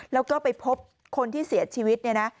แล้วก็ไปพบคนที่เสียชีวิตเนี่ยนะ